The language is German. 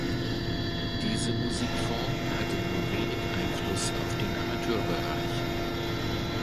Diese Musikform hatte nur wenig Einfluss auf den Amateurbereich.